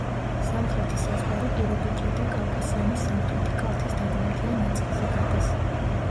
სამხრეთი საზღვარი პირობითია და კავკასიონის სამხრეთი კალთის დაბალმთიან ნაწილზე გადის.